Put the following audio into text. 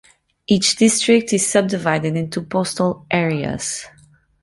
Each district is subdivided into postal areas.